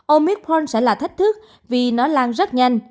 omicron sẽ là thách thức vì nó lan rất nhanh